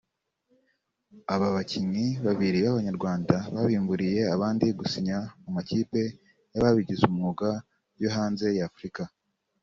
Aba bakinnyi babiri b’Abanyarwanda babimburiye abandi gusinya mu makipe y’ababigize umwuga yo hanze ya Afurika